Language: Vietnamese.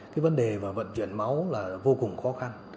cái vấn đề mà vận chuyển máu là vô cùng khó khăn